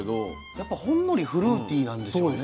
やっぱほんのりフルーティーなんですよね。